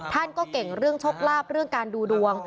ท่านก็เก่งเรื่องโชคลาภเรื่องการดูดวง